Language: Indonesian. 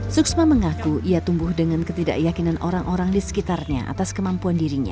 suksma mengaku ia tumbuh dengan ketidakyakinan orang orang di sekitarnya atas kemampuan dirinya